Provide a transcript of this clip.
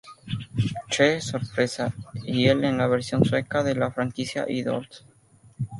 Che sorpresa", y el en la versión sueca de la franquicia "Idols".